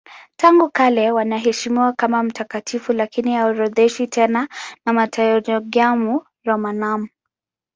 Tangu kale wanaheshimiwa kama mtakatifu lakini haorodheshwi tena na Martyrologium Romanum.